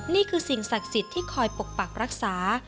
นี่คือสิ่งศักดิ์สิทธิ์ที่คอยปกปักรักษา